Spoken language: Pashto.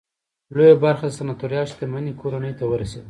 لویه برخه د سناتوریال شتمنۍ کورنۍ ته ورسېده.